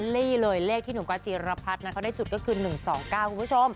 นี่เลยเลขที่หนุ่มก๊อจีรพัฒน์เขาได้จุดก็คือ๑๒๙คุณผู้ชม